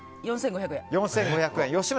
４５００円。